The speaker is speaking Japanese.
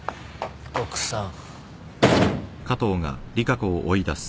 奥さん。